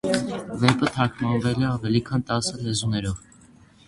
Վեպը թարգմանվել է ավելի քան տասը լեզուներով։